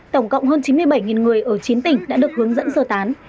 tổng cộng hơn chín mươi bảy người ở chín tỉnh đã được hướng dẫn sơ tán